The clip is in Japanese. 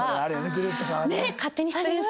グループとかはね。